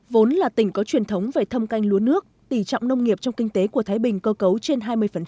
vốn là tỉnh có truyền thống về thâm canh lúa nước tỉ trọng nông nghiệp trong kinh tế của thái bình cơ cấu trên hai mươi